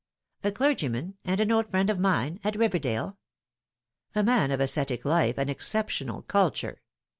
" A clergyman, and an old friend of mine, at Riverdale !" "A man of ascetic life and exceptional culture.